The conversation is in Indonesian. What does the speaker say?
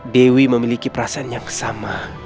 dewi memiliki perasaan yang sama